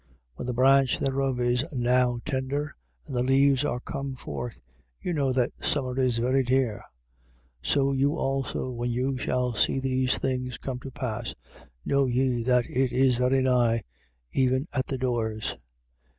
When the branch thereof is now tender and the leaves are come forth, you know that summer is very near. 13:29. So you also when you shall see these things come to pass, know ye that it is very nigh, even at the doors.